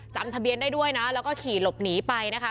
จำทะเบียนได้ด้วยนะแล้วก็ขี่หลบหนีไปนะคะ